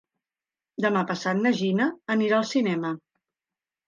Demà passat na Gina anirà al cinema.